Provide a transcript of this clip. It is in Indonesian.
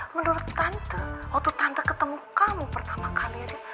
menurut tante waktu tante ketemu kamu pertama kali aja